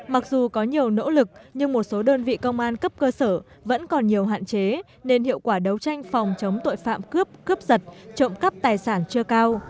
mặc dù có nhiều nỗ lực nhưng một số đơn vị công an cấp cơ sở vẫn còn nhiều hạn chế nên hiệu quả đấu tranh phòng chống tội phạm cướp cướp giật trộm cắp tài sản chưa cao